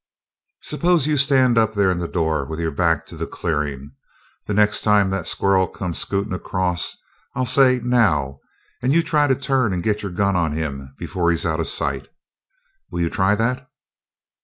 S'pose you stand up there in the door with your back to the clearin'. The next time that squirrel comes scootin' across I'll say, 'Now!' and you try to turn and get your gun on him before he's out of sight. Will you try that?"